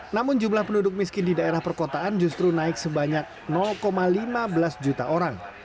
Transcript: namun jumlah penduduk miskin di daerah perkotaan justru naik sebanyak lima belas juta orang